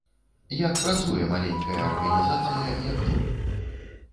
Як працуе маленькая арганізацыя, як мы?